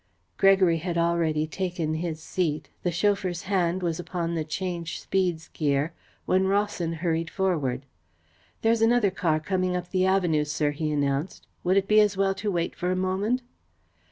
Gregory had already taken his seat, the chauffeur's hand was upon the change speeds gear, when Rawson hurried forward. "There is another car coming up the avenue, sir," he announced. "Would it be as well to wait for a moment?"